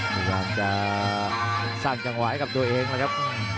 กำลังจะสร้างจังหวายกับตัวเองนะครับ